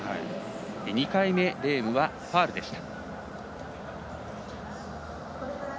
２回目レームはファウルでした。